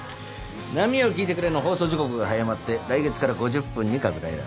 『波よ聞いてくれ』の放送時刻が早まって来月から５０分に拡大だ。